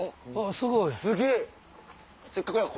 すごい！